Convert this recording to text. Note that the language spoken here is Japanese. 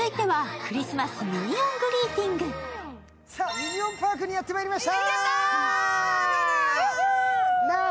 ミニオン・パークにやってまいりました。